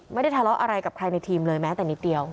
ไม่ได้ทะเลาะอะไรกับใครในทีมเลยแม้แต่นิดเดียว